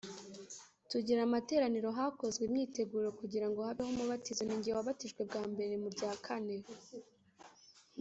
tugira amateraniro hakozwe imyiteguro kugira ngo habeho umubatizo ni jye wabatijwe bwa mbere murya kane